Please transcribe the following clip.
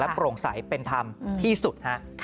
และโปร่งใสเป็นธรรมที่สุด